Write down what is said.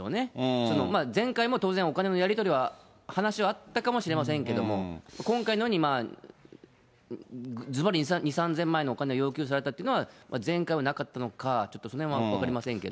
その前回も、お金のやり取りの話はあったかもしれませんけれども、今回のようにずばり２、３０００万円のお金を要求されたというのは、前回はなかったのか、ちょっと、そのへんはよく分かりませんけど。